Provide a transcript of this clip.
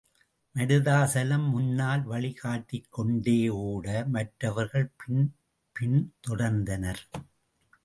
மருதாசலம் முன்னால் வழி காட்டிக்கொண்டே ஓட, மற்றவர்கள் பின் பின்தொடர்ந்தனர்.